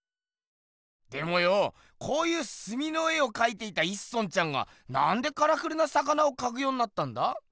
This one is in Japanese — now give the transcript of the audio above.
でもよこういうすみの絵をかいていた一村ちゃんがなんでカラフルな魚をかくようになったんだ？